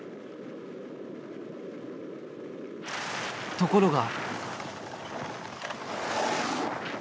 ところが。